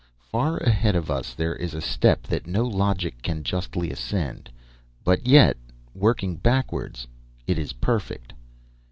"Far ahead of us there is a step that no logic can justly ascend, but yet, working backwards, it is perfect."